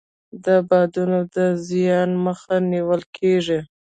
د بادونو د زیان مخه نیول کیږي.